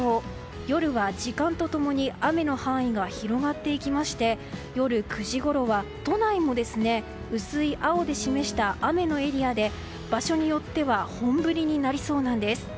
夜は時間と共に雨の範囲が広がっていきまして夜９時ごろは都内も薄い青で示した雨のエリアで、場所によっては本降りになりそうなんです。